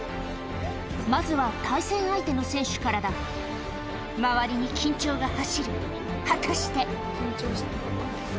まずは対戦相手の選手からだ周りに緊張が走る果たして？